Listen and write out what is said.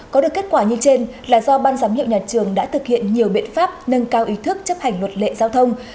có được kết quả như trên là do ban giám hiệu nhà trường đã thực hiện nhiều biện pháp nâng cao ý thức chấp hành luật lệ giao thông